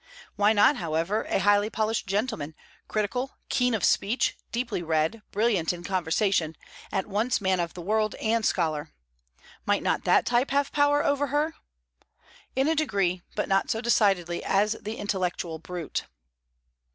Why not, however, a highly polished gentleman, critical, keen of speech, deeply read, brilliant in conversation, at once man of the world and scholar? Might not that type have power over her? In a degree, but not so decidedly as the intellectual brute.